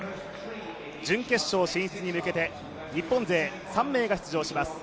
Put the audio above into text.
準決勝進出に向けて日本勢３名が出場します。